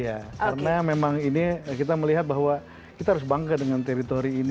iya karena memang ini kita melihat bahwa kita harus bangga dengan teritori ini